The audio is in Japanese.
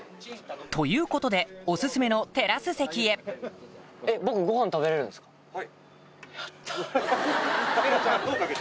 ということでオススメのテラス席へ僕は。